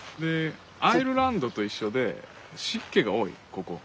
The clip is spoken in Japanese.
アイルランドと一緒で湿気が多いここ。